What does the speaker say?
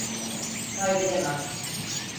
Kaybedemem.